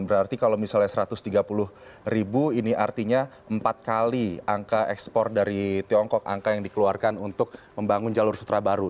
berarti kalau misalnya satu ratus tiga puluh ribu ini artinya empat kali angka ekspor dari tiongkok angka yang dikeluarkan untuk membangun jalur sutra baru